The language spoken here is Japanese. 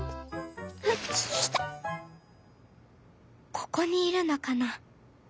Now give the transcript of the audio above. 「ここにいるのかな？」。